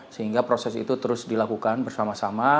sehingga proses itu terus dilakukan bersama sama